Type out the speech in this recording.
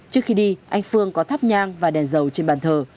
trước khi đi anh phương có thắp nhang và đèn dầu trên bàn thờ